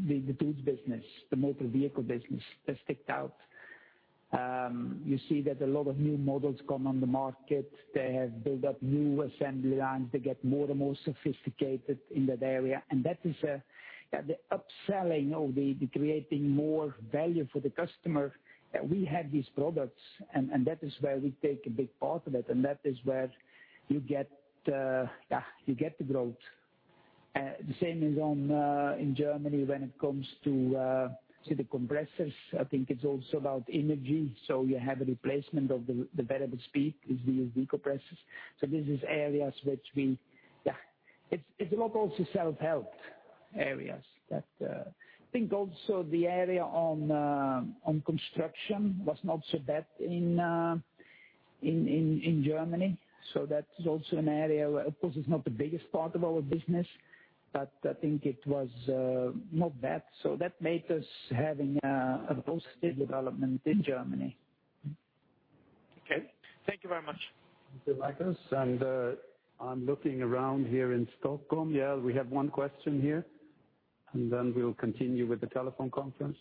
the tools business, the motor vehicle business, that sticked out. You see that a lot of new models come on the market. They have built up new assembly lines. They get more and more sophisticated in that area. That is the upselling or the creating more value for the customer. We have these products, that is where we take a big part of it, that is where you get the growth. The same is in Germany when it comes to the compressors. I think it's also about energy, so you have a replacement of the variable speed is the compressors. It's a lot also self-help areas that I think also the area on construction was not so bad in Germany. That is also an area where, of course, it's not the biggest part of our business, but I think it was not bad. That made us having a positive development in Germany. Okay. Thank you very much. Thank you, Markus. I'm looking around here in Stockholm. Yeah, we have one question here, then we'll continue with the telephone conference.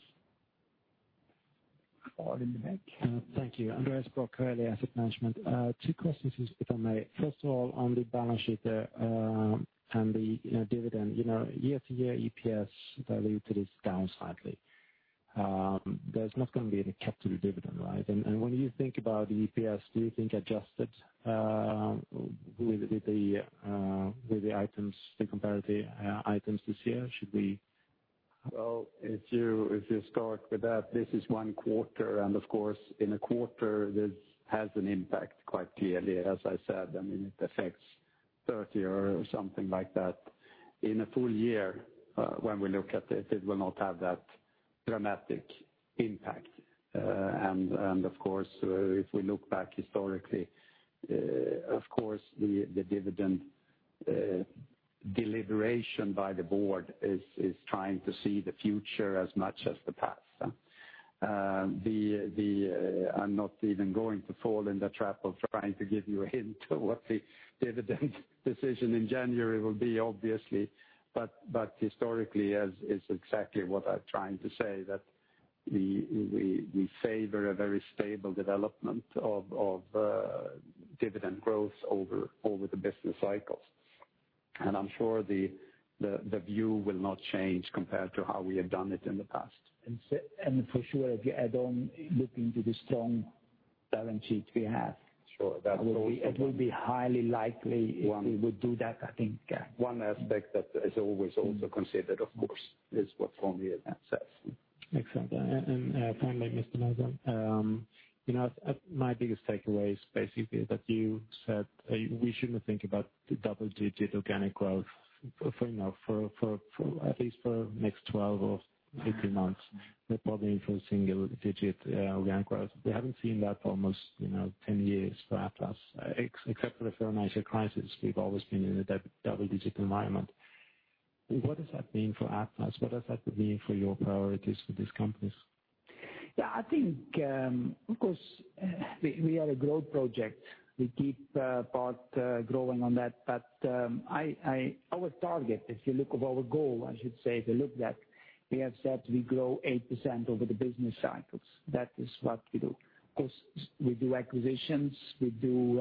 Thank you. Andreas Brock, Coeli Asset Management. Two questions, if I may. First of all, on the balance sheet and the dividend, year-over-year, EPS diluted is down slightly. There's not going to be any cap to the dividend, right? When you think about EPS, do you think adjusted with the items, the comparative items this year? Should we- Well, if you start with that, this is one quarter, and of course, in a quarter, this has an impact quite clearly, as I said, it affects 30 or something like that. In a full year, when we look at it will not have that dramatic impact. Of course, if we look back historically, of course, the dividend deliberation by the board is trying to see the future as much as the past. I'm not even going to fall in the trap of trying to give you a hint of what the dividend decision in January will be, obviously. Historically, as is exactly what I'm trying to say, that we favor a very stable development of dividend growth over the business cycles. I'm sure the view will not change compared to how we have done it in the past. For sure, if you add on looking to the strong Balance Sheet we have. Sure. It would be highly likely if we would do that, I think. One aspect that is always also considered, of course, is what formula says. Excellent. Finally, Mr. Ronnie, my biggest takeaway is basically that you said we shouldn't think about the double-digit organic growth at least for the next 12 or 18 months, but probably for a single-digit organic growth. We haven't seen that for almost 10 years for Atlas. Except for the financial crisis, we've always been in a double-digit environment. What does that mean for Atlas? What does that mean for your priorities for this company? I think, of course, we are a growth project. We keep growing on that. Our target, if you look at our goal, I should say, if you look that, we have said we grow 8% over the business cycles. That is what we do. Of course, we do acquisitions, we do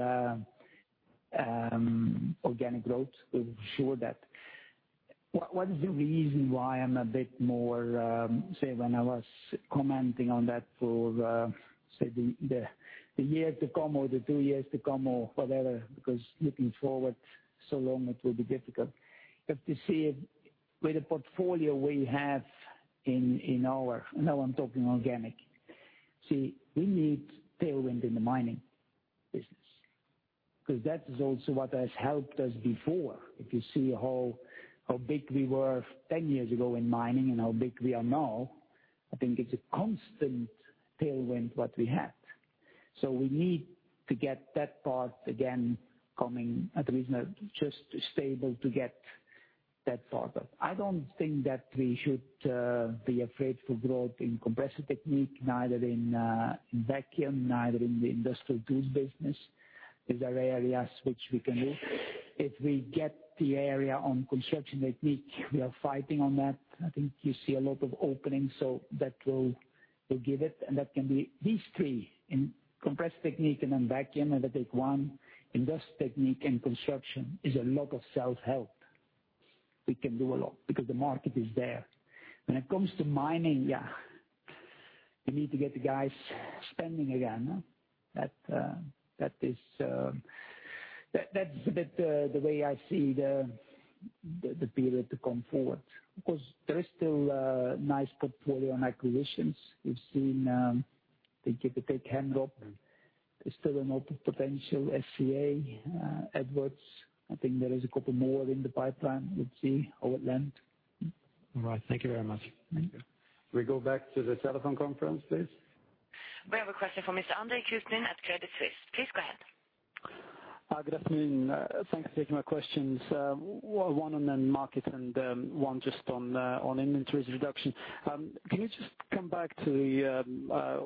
organic growth, for sure. What is the reason why I'm a bit more, say, when I was commenting on that for, say, the year to come or the two years to come or whatever, because looking forward so long, it will be difficult. If you see with the portfolio we have in our, now I'm talking organic, see, we need tailwind in the mining business. That is also what has helped us before. If you see how big we were 10 years ago in mining and how big we are now, I think it's a constant tailwind, what we have. We need to get that part again coming at a reasonable, just stable to get that sorted. I don't think that we should be afraid for growth in Compressor Technique, neither in vacuum, neither in the industrial goods business. These are areas which we can do. If we get the area on Construction Technique, we are fighting on that. I think you see a lot of openings, so that will give it, and that can be these three in Compressor Technique and in vacuum, and I take one, Industrial Technique and Construction, is a lot of self-help. We can do a lot because the market is there. When it comes to mining, you need to get the guys spending again. That is a bit the way I see the period to come forward. There is still a nice portfolio on acquisitions. We've seen, I think if you take Henrob, there's still a lot of potential, SCA, Edwards. I think there is a couple more in the pipeline. Let's see how it lands. All right. Thank you very much. Thank you. We go back to the telephone conference, please. We have a question from Mr. Andre Kukhnin at Credit Suisse. Please go ahead. Good afternoon. Thanks for taking my questions. One on the market and one just on inventories reduction. Can you just come back to the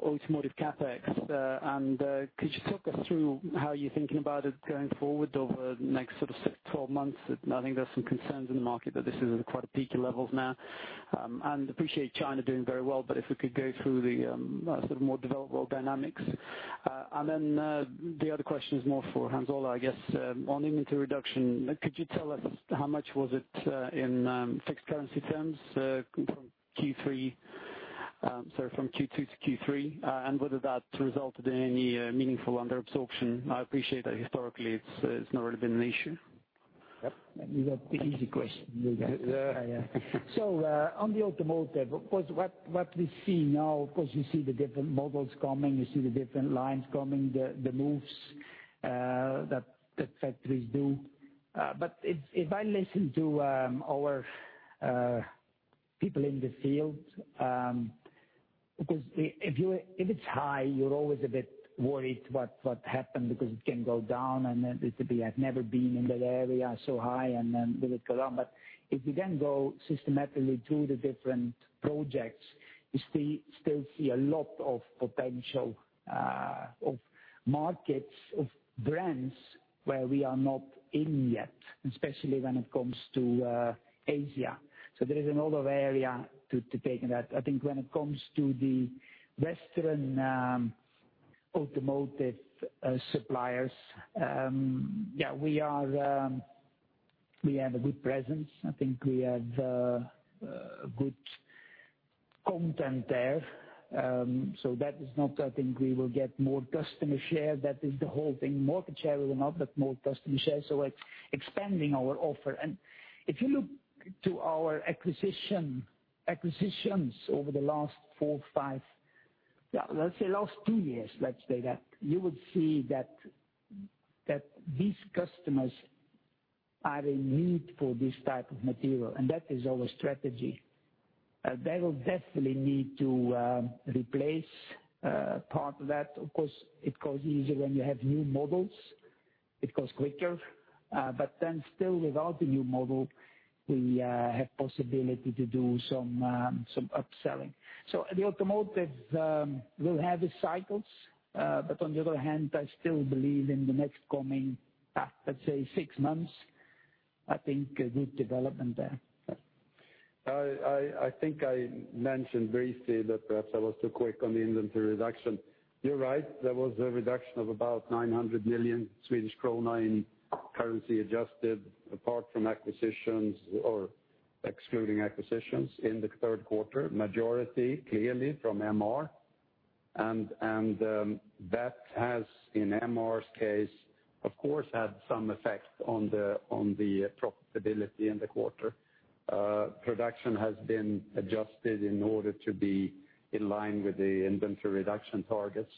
automotive CapEx, and could you talk us through how you're thinking about it going forward over the next sort of six, 12 months? I think there's some concerns in the market that this is quite a peaky levels now. Appreciate China doing very well, but if we could go through the sort of more developed world dynamics. Then the other question is more for Hans Ola, I guess, on inventory reduction. Could you tell us how much was it in fixed currency terms from Q3, sorry, from Q2 to Q3, and whether that resulted in any meaningful under absorption? I appreciate that historically it's never really been an issue. Yep. You got the easy question. On the automotive, of course, what we see now, of course, you see the different models coming, you see the different lines coming, the moves that factories do. If I listen to our people in the field, because if it's high, you're always a bit worried what happened because it can go down, and it could be I've never been in that area so high, and then will it go down? If you then go systematically through the different projects, you still see a lot of potential of markets, of brands where we are not in yet, especially when it comes to Asia. There is a lot of area to take that. I think when it comes to the Western automotive suppliers, yeah, we have a good presence. I think we have good content there. That is not, I think we will get more customer share. That is the whole thing. Market share, we will not, but more customer share, so expanding our offer. If you look to our acquisitions over the last four or five, let's say last two years, let's say that, you would see that these customers are in need for this type of material, and that is our strategy. They will definitely need to replace part of that. Of course, it goes easier when you have new models. It goes quicker. Still without the new model, we have possibility to do some upselling. The automotive will have its cycles. On the other hand, I still believe in the next coming, let's say six months, I think a good development there. I think I mentioned briefly that perhaps I was too quick on the inventory reduction. You're right. There was a reduction of about 900 million Swedish krona in currency adjusted apart from acquisitions or Excluding acquisitions in the third quarter. Majority clearly from MR. That has, in MR's case, of course, had some effect on the profitability in the quarter. Production has been adjusted in order to be in line with the inventory reduction targets.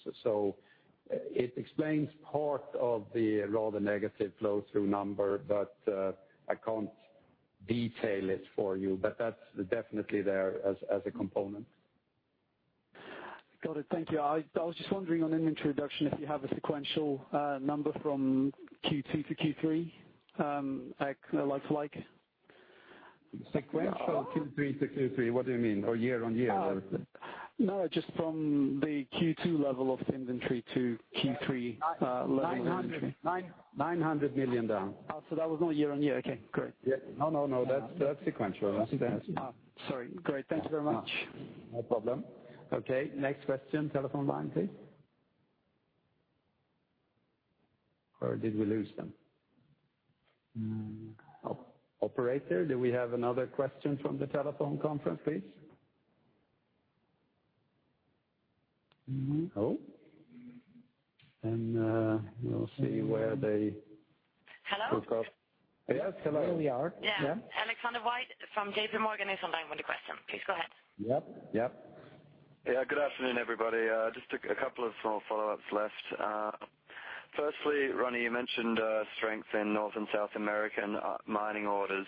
It explains part of the rather negative flow through number, but I can't detail it for you. That's definitely there as a component. Got it. Thank you. I was just wondering on inventory reduction, if you have a sequential number from Q2 to Q3, like like-for-like. Sequential Q3 to Q3, what do you mean? Or year-on-year? Just from the Q2 level of inventory to Q3 level inventory. 900 million down. That was not year-on-year. Okay, great. Yeah. No, that's sequential. Sorry. Great. Thank you very much. No problem. Okay, next question. Telephone line, please. Or did we lose them? Operator, do we have another question from the telephone conference, please? No? Then we'll see. Hello? Yes, hello. Here we are. Yeah. Yeah. Alexander Sheratt from JP Morgan is on line with the question. Please go ahead. Yep. Yep. Yeah. Good afternoon, everybody. Just a couple of small follow-ups left. Firstly, Ronnie, you mentioned strength in North and South American mining orders.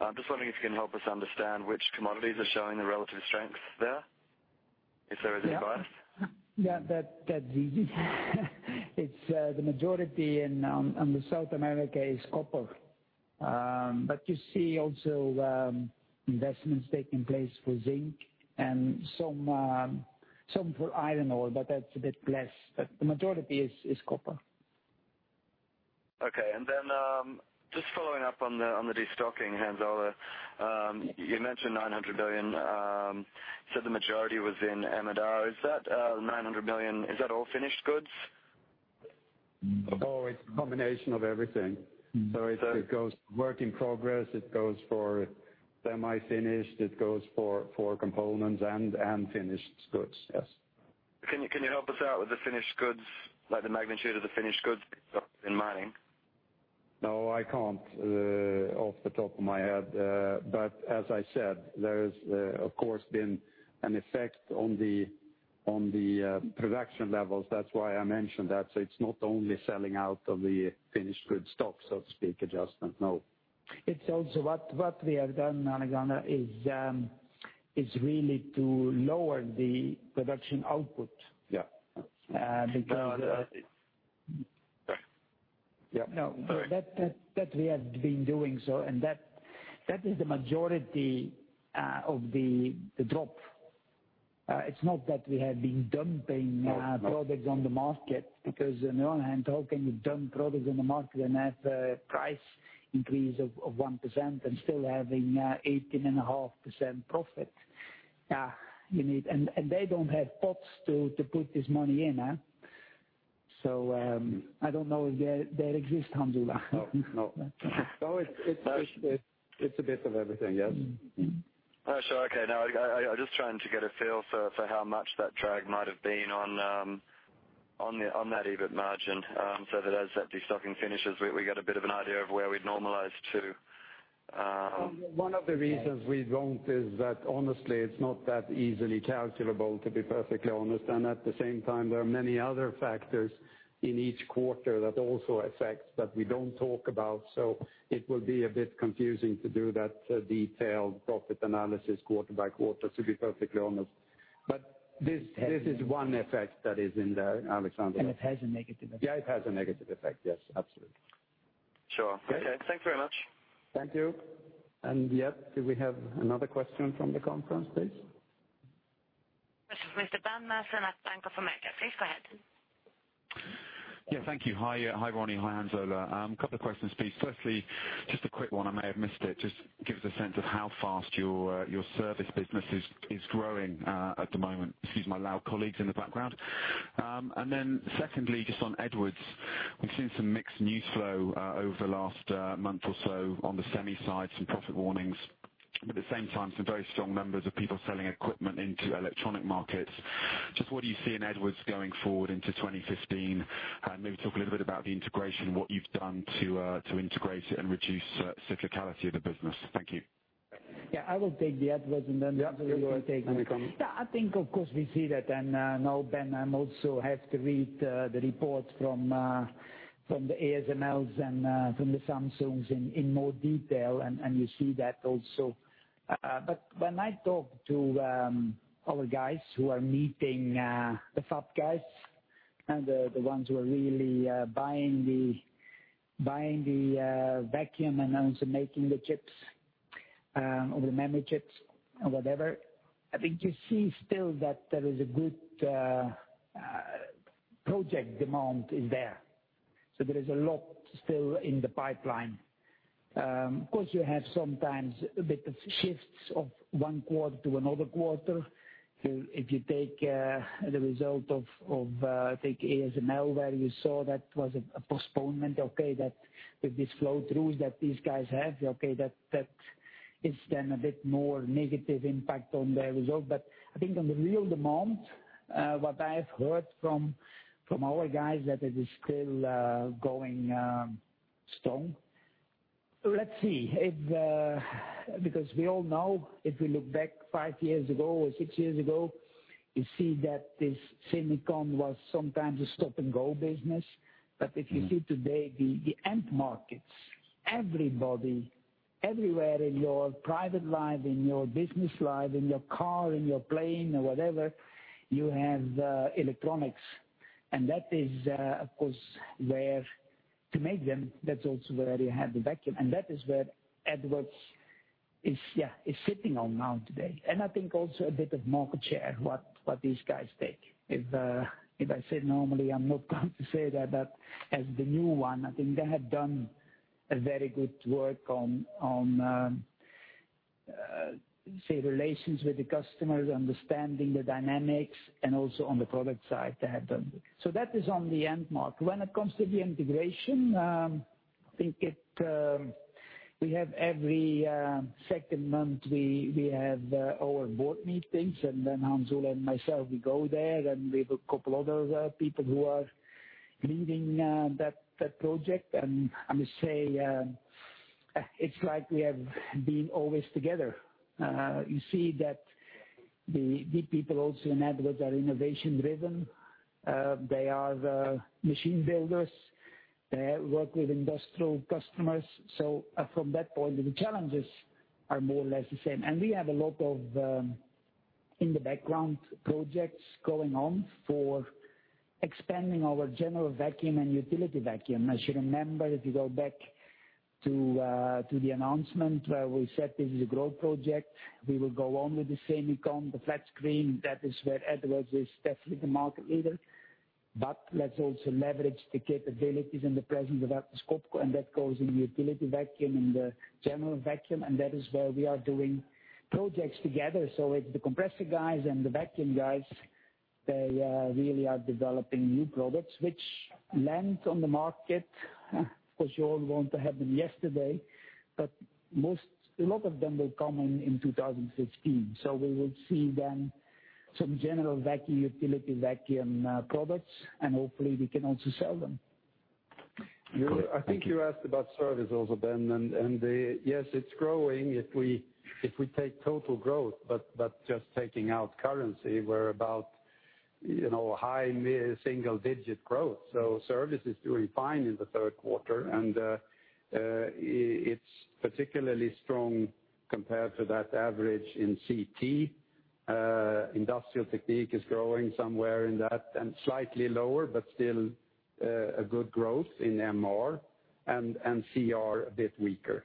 I'm just wondering if you can help us understand which commodities are showing the relative strengths there, if there is advice. Yeah. The majority in the South America is copper. You see also investments taking place for zinc and some for iron ore. That's a bit less. The majority is copper. Okay. Just following up on the de-stocking, Hans Ola, you mentioned 900 million, you said the majority was in MR. Is that 900 million all finished goods? It's a combination of everything. It goes work in progress, it goes for semi-finished, it goes for components and finished goods. Yes. Can you help us out with the finished goods, like the magnitude of the finished goods in mining? No, I can't off the top of my head. As I said, there's of course been an effect on the production levels. That's why I mentioned that. It's not only selling out of the finished good stock, so to speak, adjustment, no. It's also what we have done, Alexander, is really to lower the production output. Yeah. Because- Yeah. No. That we have been doing, that is the majority of the drop. It's not that we have been dumping products on the market because on the other hand, how can you dump products on the market and have a price increase of 1% and still having 18.5% profit? They don't have pots to put this money in. I don't know if they exist, Hans Ola. No. It's a bit of everything, yes. Oh, sure. Okay. No, I was just trying to get a feel for how much that drag might have been on that EBIT margin, that as that de-stocking finishes, we get a bit of an idea of where we'd normalize to. One of the reasons we don't is that honestly, it's not that easily calculable, to be perfectly honest. At the same time, there are many other factors in each quarter that also affect, that we don't talk about. It will be a bit confusing to do that detailed profit analysis quarter by quarter, to be perfectly honest. This is one effect that is in there, Alexander. It has a negative effect. Yeah, it has a negative effect. Yes, absolutely. Sure. Okay. Thanks very much. Thank you. Yep, do we have another question from the conference, please? This is Mr. Ben Maslen at Bank of America. Please go ahead. Thank you. Hi, Ronnie. Hi, Hans Ola. A couple of questions, please. Firstly, just a quick one, I may have missed it. Just give us a sense of how fast your service business is growing at the moment. Excuse my loud colleagues in the background. Secondly, just on Edwards. We've seen some mixed news flow over the last month or so on the semicon side, some profit warnings, but at the same time, some very strong numbers of people selling equipment into electronic markets. Just what do you see in Edwards going forward into 2015? Maybe talk a little bit about the integration, what you've done to integrate it and reduce cyclicality of the business. Thank you. I will take the Edwards and then Hans Ola you take- Yeah. I think of course we see that now, Ben, I also have to read the report from the ASML and from the Samsung in more detail, you see that also. When I talk to our guys who are meeting the fab guys and the ones who are really buying the vacuum and also making the chips, or the memory chips or whatever, I think you see still that there is a good project demand is there. There is a lot still in the pipeline. Of course, you have sometimes a bit of shifts of one quarter to another quarter. If you take the result of, I think ASML, where you saw that was a postponement, okay, that with these flow throughs that these guys have, okay, that It's then a bit more negative impact on the result. I think on the real demand, what I have heard from our guys, that it is still going strong. Let's see, because we all know if we look back five years ago or six years ago, you see that this semicon was sometimes a stop-and-go business. If you see today, the end markets, everybody, everywhere in your private life, in your business life, in your car, in your plane, or whatever, you have electronics. That is, of course, where to make them, that's also where you have the vacuum, and that is where Edwards is sitting on now today. I think also a bit of market share, what these guys take. If I said normally, I'm not going to say that, but as the new one, I think they have done a very good work on, say relations with the customers, understanding the dynamics, and also on the product side they have done. That is on the end mark. When it comes to the integration, I think every second month, we have our board meetings, then Hans Ola and myself, we go there, and we have a couple other people who are leading that project. I must say, it's like we have been always together. You see that the people also in Edwards are innovation-driven. They are the machine builders. They work with industrial customers. From that point of view, the challenges are more or less the same. We have a lot of in the background projects going on for expanding our general vacuum and utility vacuum. As you remember, if you go back to the announcement where we said this is a growth project, we will go on with the semicon, the flat screen, that is where Edwards is definitely the market leader. Let's also leverage the capabilities and the presence of Atlas Copco, and that goes in the utility vacuum and the general vacuum, and that is where we are doing projects together. It's the compressor guys and the vacuum guys, they really are developing new products which land on the market. Of course, you all want to have them yesterday, but a lot of them will come in 2015. We will see then some general vacuum, utility vacuum products, and hopefully we can also sell them. I think you asked about service also, Ben, and yes, it's growing. If we take total growth, but just taking out currency, we're about high single-digit growth. Service is doing fine in the third quarter, and it's particularly strong compared to that average in CT. Industrial Technique is growing somewhere in that, and slightly lower, but still a good growth in MR, and CR a bit weaker.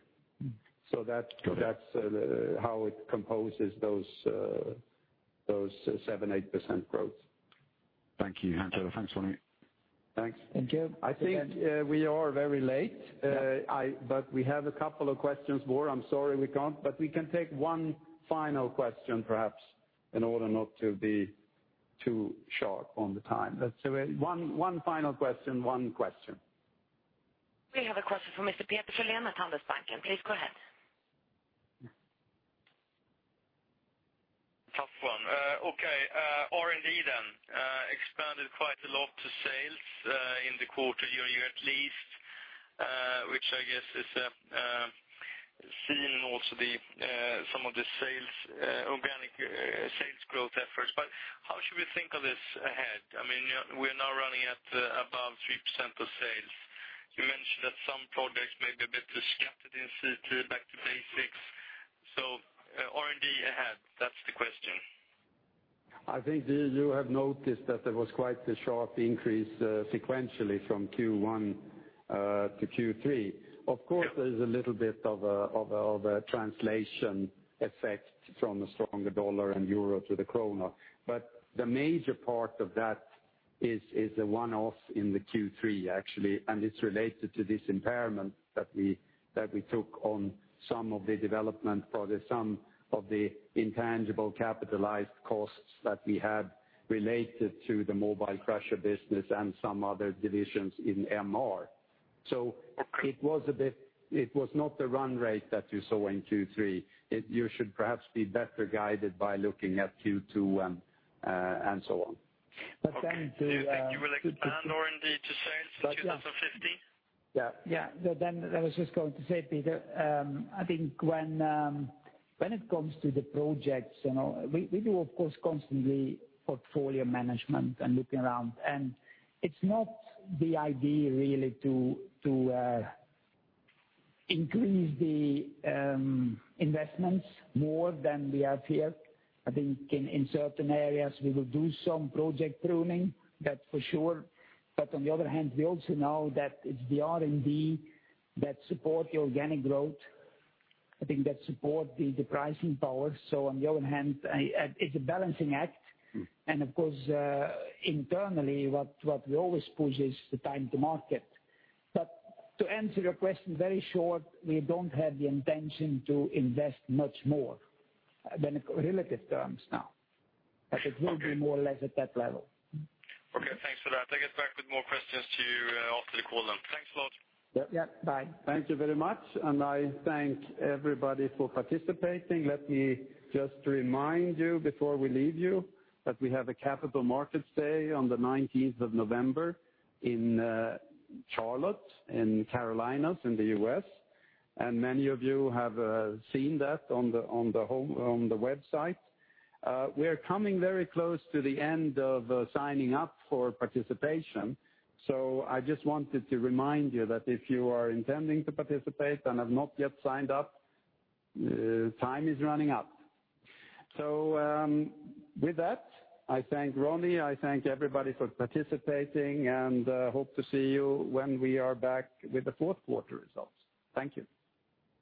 Got it. That's how it composes those 7%-8% growth. Thank you, Hans. Thanks, Ronnie. Thanks. Thank you. I think we are very late. We have a couple of questions more. I'm sorry, we can't, but we can take one final question perhaps in order not to be too sharp on the time. Let's do it. One final question. One question. We have a question from Mr. Peder Frölen at Handelsbanken. Please go ahead. Tough one. Okay, R&D then, expanded quite a lot to sales in the quarter year at least, which I guess is seen in also some of the organic sales growth efforts. How should we think of this ahead? We're now running at above 3% of sales. You mentioned that some projects may be a bit too scattered in CT, back to basics. R&D ahead, that's the question. I think you have noticed that there was quite a sharp increase sequentially from Q1 to Q3. Of course, there's a little bit of a translation effect from a stronger dollar and euro to the krona. The major part of that is a one-off in the Q3, actually, and it's related to this impairment that we took on some of the development projects, some of the intangible capitalized costs that we had related to the mobile crusher business and some other divisions in MR. It was not the run rate that you saw in Q3. You should perhaps be better guided by looking at Q2 and so on. Okay. Do you think you will expand R&D to sales for 2015? Yeah. Yeah. I was just going to say, Peter, I think when it comes to the projects, we do, of course, constantly portfolio management and looking around, and it's not the idea, really, to increase the investments more than we have here. I think in certain areas, we will do some project pruning, that's for sure. On the other hand, we also know that it's the R&D that support the organic growth, I think that support the pricing power. On the other hand, it's a balancing act. Of course, internally, what we always push is the time to market. To answer your question very short, we don't have the intention to invest much more than relative terms now. Okay. It will be more or less at that level. Okay, thanks for that. I get back with more questions to you after the call then. Thanks a lot. Yeah, bye. Thank you very much, and I thank everybody for participating. Let me just remind you before we leave you that we have a Capital Markets Day on the 19th of November in Charlotte in Carolinas in the U.S., and many of you have seen that on the home website. We are coming very close to the end of signing up for participation, so I just wanted to remind you that if you are intending to participate and have not yet signed up, time is running up. With that, I thank Ronnie, I thank everybody for participating, and hope to see you when we are back with the fourth quarter results. Thank you.